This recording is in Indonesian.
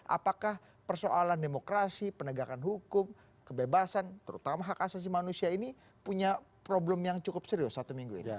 apakah persoalan demokrasi penegakan hukum kebebasan terutama hak asasi manusia ini punya problem yang cukup serius satu minggu ini